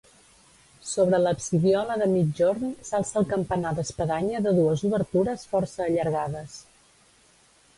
Sobre l'absidiola de migjorn s'alça el campanar d'espadanya de dues obertures força allargades.